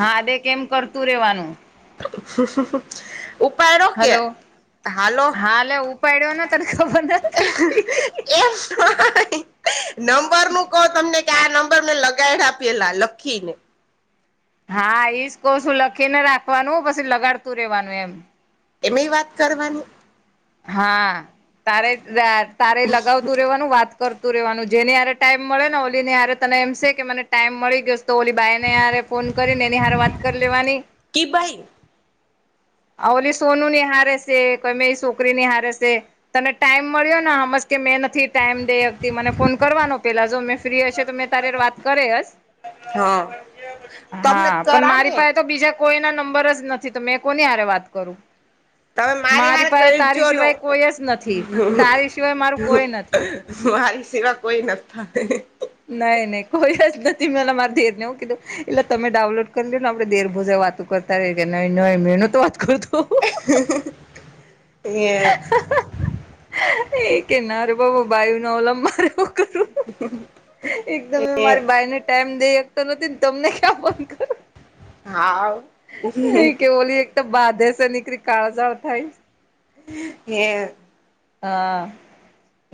હા દે કેમ કરતું રેવાનું. હું હું હું ઉપાડો કે હલો હાલો હા લે ઉપાડ્યો ને તને ખબર નથી પડતી એમ [unintelligible] નંબર મુકો તમને કે આ નંબર મેં લગાઈ રાપેલા લખીને હા ઈશ કોશું લખીને રાખવાનું પછી લગાડતું રેવાનું એમ. એમે ય વાત કરવાની. હા તારે તારે લગાવતું રેવાનું વાત કરતું. તું રેવાનું જેની હારે ટાઈમ મળે ને ઓલીની હરે તને એમ છે કે મને ટાઈમ મળી ગયો. તો ઓલી બાાઈને હારે ફોન કરી ને એની હાર વાત કરી લેવાની. કી ભાઈ. હ ઓલી સોનું નીહારે છે કો મે એ છોકરી ની હારે છે. તને ટાઈમ મળ્યો હમજ કે મેન થી ટાઈમ દેતી મને ફોન કરવાનો પેલા જો મે ફ્રી હશે તો મેં તારે વાત કરે. હા તમને હા પણ મારી રાકે. પાસે તો બીજા કોઈના નંબર જ નથી તો મેં કોની હારે વાત કરું, તમે મારી હારે પાસે તારી કરજો ન સિવાય કોઈ જ નથી તારી સિવાય મારું કોઈ નથી. મારી સિવા કોઈ ન થાય. નઈ નહી કોઈ જ નથી મેં એને મારે દેર ને હુંકી દું એટલે તમે ડાઉનલોડ કરી લ ને આપડે દેર ભોજે વાતું કરતા. ત કે નહી ન મે એ ન તો વાત કરું તું. [inaudible] ં એ કેના ર ભબાઈુ ન ઓલંબ અમારો. એકદમે એ મારી બાાઈને ટાઈમ દઈ શકતો નથી ને તમને ક્યાં ફોન કરુ હા એ કે ઓલી એક તો બાધેસ નીકળરી કાળજાઓ થાય એ હા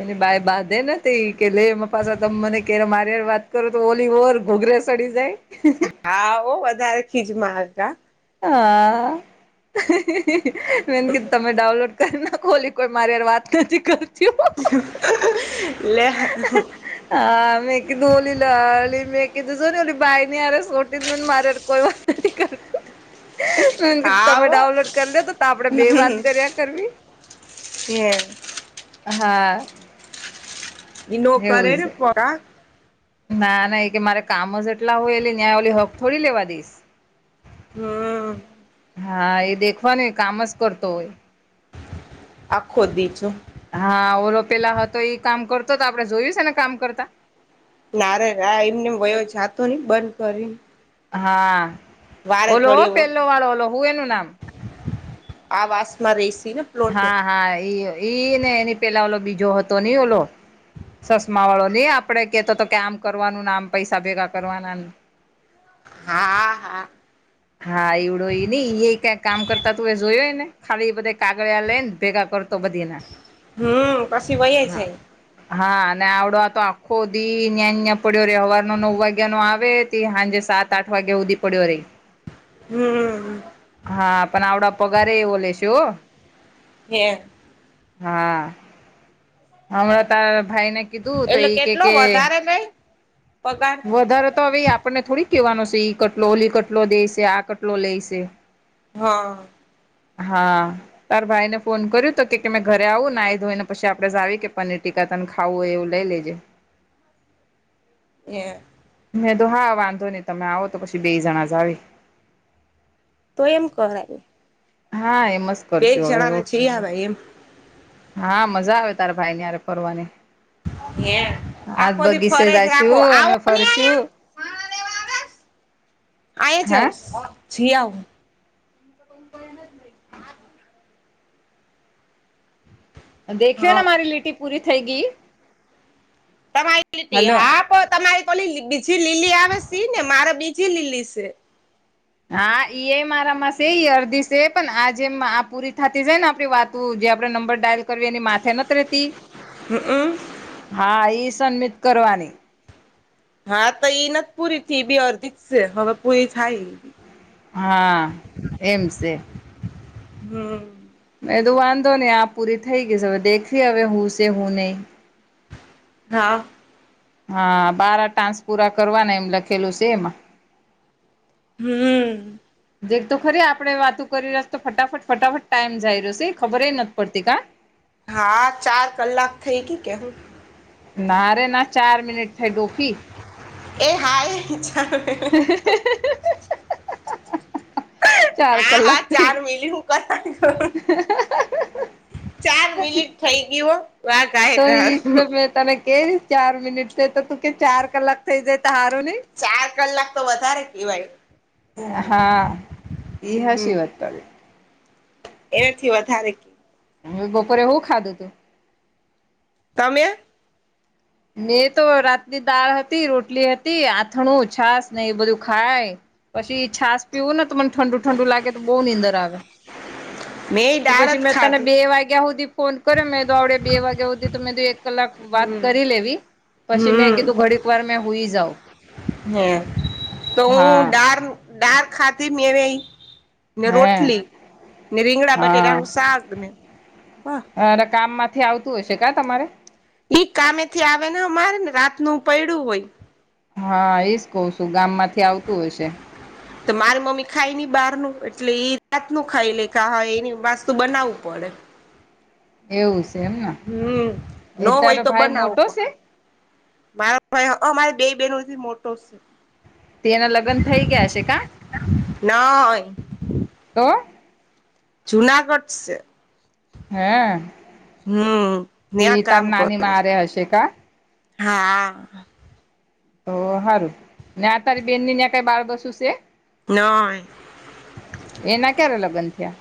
એની બા બાંધે નથી કે લે પાછા તમે મને ક્યારે માર વાત કરો તો ઓલી ઓવર ઘોગરે ચડી જાય હા ઓ વધારે ખીજમાં હતા હા મેન કે તમે ડાઉનલોડ કર ના કોલી કોઈ મારે હારે વાત નથીતી કર લે હા મેકી ધોલી લલી મેકી ત જોો લી બાઈ અરેસોટી મને માર કોઈ વાત નથી કરતુ તમે હાવ ડાઉનલોડ કરી લે તો તો આપે બે વાત કર્યા કરવી હ હા ઇ ન એવું કરેને છે પડે [unintelligible] ના ના કે મારે કામ જ એટલા હોય એટલે ન્યાય ઓળલી હક થોડી લેવા દઈશ હમ હા એ દેખોનુંય કામ જ કરતો હોય આખોદીજ હો હા ઓલો પેલા હતો એઈ કામ કરતો તો આપડે જોયું છે ને કામ કરતા નારે ના એમને વયો જાતો નહીં બંધ કરી હા ઓલો ઘડીએ પહેલો વાળો ઓલો હું એનું નામ આ વાસ માં રેસી ને પ્લોટ હા હા ઈ ઈ ને એની પેલા ઓલો બીજો હતો નઈ ઓલો ચસમા વાળો ની આપડે કેતો તો કે આમ કરવાનું ને આમ પૈસા ભેગા કરવાના હા હા હા એવડો એ નઈ એ કાય કામ કરતા તું એ જોયો ને ખાલી બધે કાગળિયા લઈ ને ભેગા કર તો બંધ ઇના હમ પછી વ્યો જાય હા અને આવડો આ તો આખો દિ ન્યા પડ્યો રવવાર નો નવ વાગ્યા નો આવે સાંજે સાત આઠ વાગ્યા ઉદી પડ્યો રે હમ હા પણ આ આવડા પગારે એ ઓલે હો હે હા હરા તા ભાઈને કીધું તો એટલે ઈ કે કેટલો કે વધારે નઈ પગાર વધારે તો હવે આપણને થોડીક કેહેવાનો છે ઈ કટલો ઓલી કટલો દેશે આ કટલો લેશે હા હા તાર ભાઈ ને ફોન કર્યું તો કે મેં ઘરે આવું ને આ ધોઈ ને પછી આપડે જાવી કે પનીર ટી કતન ખાવું હો એવું લઈ લેજે એ મેં તો હા વાંધો નહી તમે આવો તો પછી બે જણા જાવી તો એમ કરાય હા એમજ બે કરશું હવે જણાને રોટ જઈ આવાય એમ હા મજા આવે તારે ભાઈ ની હારે ફરવાની. હે આજ આખો દી બગીચે ફરે જ રાખો જાશું, આવો અમે ને ફરશુ. અહીંયા આહીંયા હા જાવું સ જીયાવું. દેખ્યો ને હા મારી લીટી પૂરી થઈ ગઈ. તમારી લીટી હલો હા તમારી તો ઓલી બીજી લીલી આવે સી ને મારે બીજી લીલી સે. હા ઈ એ મારામાં સે ઈ અડધી છે પણ આ જેમ આ પૂરી થતી જાય ને આપણી વાત તું જે આપણે નંબર ડાયલ કરવી એની માથે નથી રેતી. હમ અમ હા ઈ સબ્મીટ કરવાની. હાતો ઈ નથી પૂરી થી. એ બી અરધી છે હવે પૂરી થાય ઈ હા એમ સે. હમ મેં કીધું વાંધો નહી આ પૂરી થઈ ગઈ સે. હવે દેખવી હવે હું છે હું નહી. હા હા બારા ટાન્સ પૂરા કરવા એમ લખેલું સે એમાં. હમ દેખ તો ખરી આપડે વાતો કરી રહ્યા તો ફટાફટ ફટાફટ ટાઈમ જઈ રહ્યો છે ખબર નથી પડતી કા. હા ચાર કલાક થઈ ગઈ કે હું? ના રે ના ચાર મિનિટ થઈ ડોફી. એ હા એય ચાર [inaudible] ચાર કલાક આ થઈ ચાર મિનીટ હું [inaudible] ચાર મિનિટ થઇ ગયું. તો ઈજ તો મેં તને કે ચાર મિનિટ થઈ તો તું કે ચાર કલાક થઇ જાય તો હારું નહી. ચાર કલાક તો વધારે કહેવાય. એ હા. ઈ હમ હાચી વાત તારી. એનાથી વધારે કે હું બપોરે હું ખાધું તું? તમે? મેં તો રાતની દાળ હતી, રોટલી હતી, આથણું, છાસ ને એ બધું ખાય પછી છાસ પીવું ને તો મને ઠંડુ ઠંડુ લાગે તો બહુ નીંદર આવે. મેં તે દાળ પછી જ મેં તને બે ખાધી વાગ્યા હુધી ફોન કર્યો, મેં આવડે બે વાગ્યા હુધી તો મેં એક કલાક વાત કરી હમ લેવી. પછી મેં કીધું હમ ઘડીક વાર મે હુઈ જાઉં. હમ તો હું હા ડાર ડાર ખાતી મેં રઈ ને હે રોટલી ને, રીંગણા હા બટેટાનું શાક ને. હા અને કામમાંથી આવતું હશે કા તમારે? ઈ કામે થી આવે ને અમારે ને રાતનું પયડું હોય. હા એજ કહુ છું. ગામમાંથી આવતું હશે. હ [inaudible] એટલે માર મમ્મી ખાય નહી બહારનું એટલે ઈ રાતનું ખાઈ લે. કા હે એની વાસ્તુ બનાવવું પડે. એવું સે એમન? હમ નો હોય તો બનાવું પણ છે મારા ભાઈ અમારે બે બેહેનોથી મોટો સે. તે એના લગ્ન થઈ ગયા હશે કા? નય તો જુનાગઢ સે. હે હમ એ ન્યા કામ તારી નાની કરે. મારે હશે કા હા હા તો હારું ને આ તારી બેનની ને કઈ બાળ કસું છે? નઈ. એના ક્યારે લગ્ન થયા.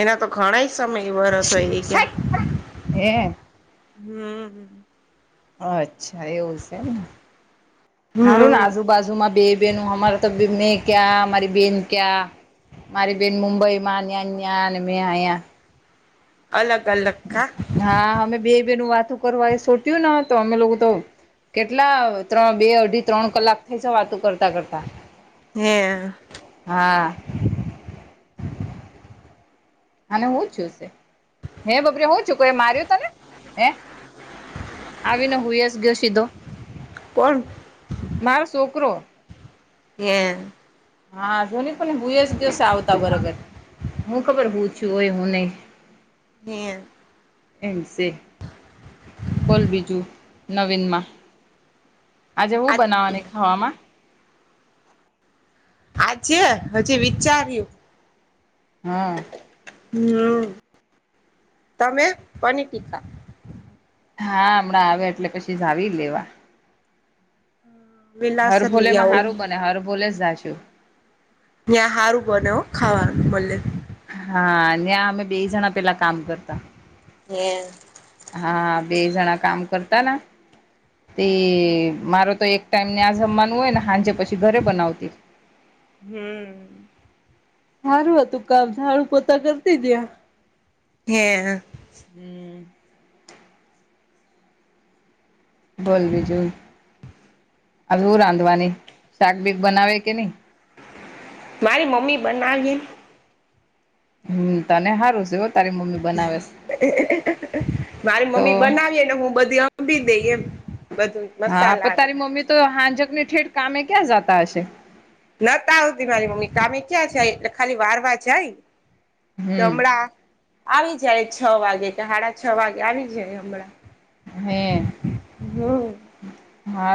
એના તો ઘણા સમય વરહ હોય એ ગયા હે હમ્મ અચ્છા એવું છેને, સારું ને હમ આજુબાજુમાં બે બે નું અમાર તી મેં ક્યા અરી બેન ક્યા મારી બેન મુંબઈ માં ન્યાન્યા અને મેં અહીયા અલગ અલગ કા હા અમે બે બે નું વાત કરવા એ સોટ્યુંને તો અમે લોકો તો કેટલા ત્રણ બે અઢી ત્રણ કલાક થઈ છે વાતો કરતા કરતા હે હા અને હું છું છે હે બપરે હું છું કોએ માર્યો તો ને હે આવીને હુયસ ગયો સીધો પણ મારો છોકરો. [inaudible] હા જોની પણ હુંય જ દિવસે આવતા બરોબર હું ખબર હુ છુ હોય, હુ નહી [unintelligible] એમશે બોલ બીજું નવીનમા આજે હું આ બનાવાની ખાવામા આજે હજી વિચાર્યુ હા હમ તમે પનીર ટીકા હા હમણાં આવ એટલે પછી જાવી લેવા હર વેલાસર લઈ ભોલેમાં આવો હારું બને હરભોલે જ જાશુ ત્યાં હારું બને ખાવાનું મળે હા ન્યા અમે બે જણા પેલા કામ કરતા હે હા બે જણા કામ કરતાને તે મારો તો એક ટાઈમ ને આ જમવાનું હોય ને સાાંજે પછી ઘરે બનાવતી હમ્મ સારું હતું કામ ઝાડુ, પોતા કરતી જ્યા. હે [inaudible] બોલ બીજુ હવેું રાંધવાની શાક બીક બનાવે કે, નહી મારી મમ્મી બનાવી હમ્મ તને સારુ છેવુ, તારી મમ્મી બનાવેસ મારી મમ્મી બનાવીને હુ, બધી અબવિ દે એમ બધું હા પણ મસાલા તારી મમ્મી તો હાંજક ની ઠેઠ કામે ક્યાં જતા, હશે નતા આવતી મારી મમ્મી કામમે ક્યાં જાય એટલે ખાલી વારવા જાય. તો હમ હમણાં આવી જાય છ, વાગે કે સાડા છ વાગે આવી જાય હમણા હે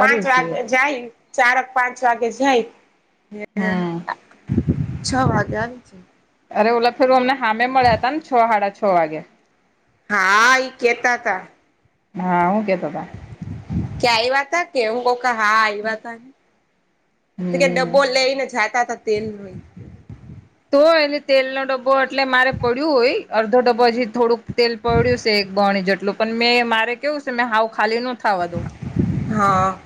પાંચ છે વાગે જાય ચારક પાંચ વાગે જાય. હમ છ વાગે આવી જાય. અરે ઓલા ફેરું અમને હામે મળ્યા તા ન છ હાડા છ, વાગે હા ઇ કેતા તા હા, હું કેતાં તા ક્યાં આયવા તા, કે એમ કોક હા આયવા તાં કે ડ હમ બો લઈ ને જાતા ત તેલઈ તો એટલે તેલ ન ડબ્બો એટલે મારે પડ્યું હોય અડધો ડબ્બો હજી થોડુંક તેલ પડ્યું છે એક બણી જેટલું પણ મેં મારે કેવું છે મેં હાવ ખાલી નો થવા દુ હા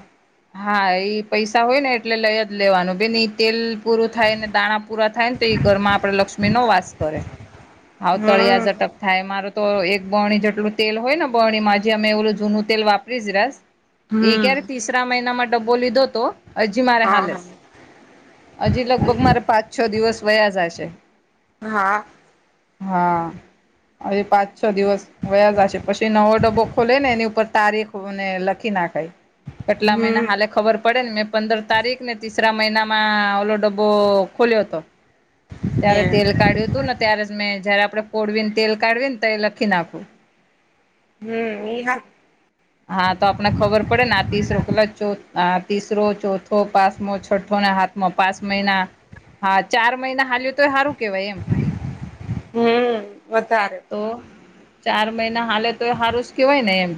હા એ પૈસા હોય ને એટલે લઈ જ લેવાનું બેન તેલ પૂરું થાય ને દાણા પૂરા થાય ને એ ઘરમાં આપડે લક્ષ્મી નો વાસ કરે હાવ તળિયા હમ ઝટક થાય મારું તો એક બણી જેટલું તેલ હોય ને બણી માં જે અમે એવલું જૂનું તેલ વાપરી જ રાસ એ હમ ક્યારે ત્રીસરા મહિનામાં ડબ્બો લીધો તો હજી મારે હા હા હાલેસ હજી લગભગ મારે પાંચ છ દિવસ વયા જાય છે હા હા અવે પાંચ છ દિવસ વયા જશે પછી નવો ડબ્બો ખોલે ને એની ઉપર તારીખ ને લખી નાખે કેટલા મહિના હમ હાલે ખબર પડે ને મેં પંદર તારીખ ને તીસરા મહિનામાં ઓલો ડબ્બો ખોલ્યો હતો ત્યારે એમ તેલ કાઢ્યું હતું ને ત્યારે જ મેં જયારે આપડે પોળવીને તેલ કાઢવી ને તો એ લખી નાખું હમ એ હા હા તો આપને ખબર પડે ને આ તીસરો કેલા ચો તીસરો ચોથો પાંચમો છઠ્ઠો ને સા પાંચ મહિના હા ચાર મહિના હાલ્યો તો હારું કેવાય એમ હમ વધારે તો ચાર મહિના હાલે તો એ હારુંજ કેવાય ને એમ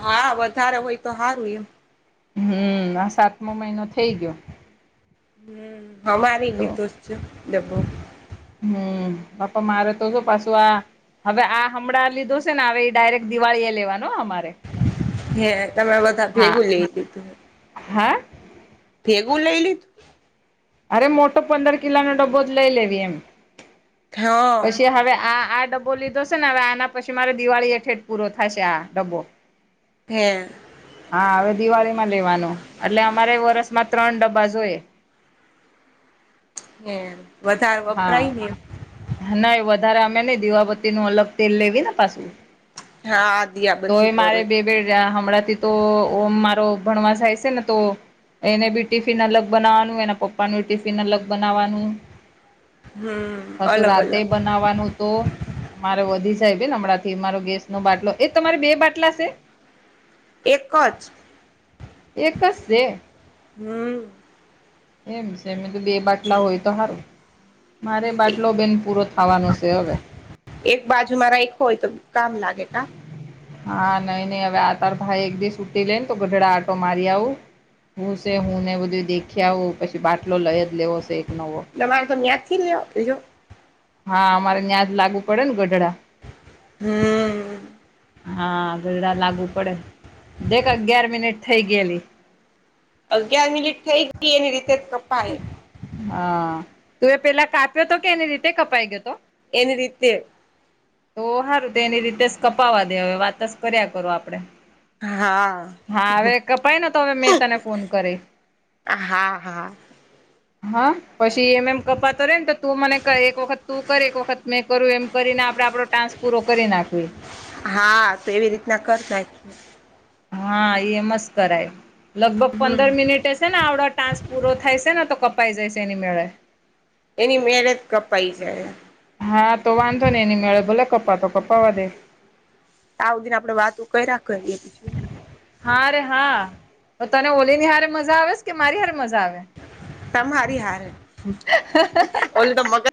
હા વધારે હોય તો હારું એમ હમ આ સાતમો મહિનો થઇ ગયો હ અમારી બી તો ડબો હમ બાપા મારેતો જો પાસું આ હવે આ હમણાં લીધો સે ના અવે ડાયરેક્ટ દિવાળી એ લેવાનો હા અમારે હે તમે બધા હા ભેગું લેય લીધુ હા ભેગું લઈ લીધું અરે મોટો પંદર કિલાનો ડબ્બો જ લઈ લેવી એમ હા પસી હવે આ આ ડબ બો લીધો સે ને અવે આના પછી મારે દિવાળી હેઠે ઠ પૂરો થાશે આ ડબ્બો હે હા અવે દિવાળીમાં લેવાનું એટલે અમારે વરસમાં ત્રણ ડબ્બા જોયે હે વધારે વપરાય ને નઇ વધારે અમે નઈ દીવાબત્તીનું અલગ તેલ લેવે ને પાસુ હા દિયા તો બધી એ કરો મારે બે બે ડા હમણાંથી જ તો ઓમ મારો ભણવા જાય સે ને તો એને બી ટિફિન અલગ બનાવાનું એના પપ્પાનું ટિફિન અલગ બનાવાનું હું હશું રાતે બન નાવાનું તો મારે વધી જાય બેન હમણાંથી મારો ગેસ નો બાટલો એ તમારે બે બાટલા સે? એક જ એકસ સે હું એમ છે મી તો બે બાટલા હોય તો હારું મારે બાટલો બેન પૂરો થાવાનો છે હવે એક બાજુ મારા એક હોય તો કામ લાગે કા હા નઈ નહી હવે આ તાર ભાઈ એક દિવસ ઉટી લે ને તો ગઢડા આટો મારી આવું હું છે હું ને બધું દેખી આવ પછી બાટલો લઈ જ લેવો છે એક નવો તમાર તો તયાથી લો બજો હા અમારે ન્યાં જ લાગુ પડે ને ગઢડા. હમ. હા ગઢડા લાગુ પડે દેખ અગિયાર મિનિટ થઇ ગયેલી. અગિયાર મિનિટ થઈ ગઈ એની રીતે કપાય. હા તું એ પેલા કાપ્યો તો કે એની રીતે કપાઈ ગયો હતો. એની રીતે. તો હારું તેની રીતે જ કપાવા દે હવે વાત સ કર્યા કરો આપડે. હા હા હવે કપાઈ ને તો હવે મેં તને ફોન કરી. હા હા. હા પછી એમ એમ કપાતો રે ને તો તું મને એક વખત તું કર એક વખત મેં કરું એમ કરીને આપડે આપડો ટાસ્ક પૂરો કરી નાખવી. હા તો એવી રીતના કરતા. હા એ મસ્ કરાય લગભગ પંદર મિનિટ છે આવડા ટાસ્ક. પૂરો થાય છે ને તો કપાઈ જયશે એની મેળે. એની મેળે કપાઈ જાય. હા તો વાંધો ને એની મેળે ભલે કપાતો તો કપાવા દે. આવધી આપણે વાતુ કરયા કરી. હા રે હા તો તને ઓલી ની હારે મજા આવે કે મારી હારે મજા આવે. તમારી હારે. હ [inaudible] ઓલી નો મગ.